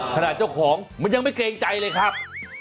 เจ้าของมันยังไม่เกรงใจเลยครับ